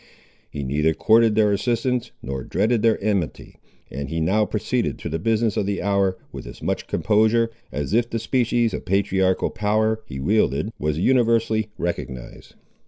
He neither courted their assistance, nor dreaded their enmity, and he now proceeded to the business of the hour with as much composure, as if the species of patriarchal power, he wielded, was universally recognised.